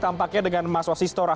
tampaknya dengan mas wasistora